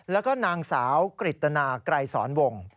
แล้วก็นางสาวกริตนาไกรสอนวง